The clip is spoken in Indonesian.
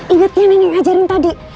inget yang nenek ajarin tadi